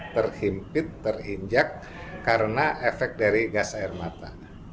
terhimpit terinjak karena efek dari gas air mata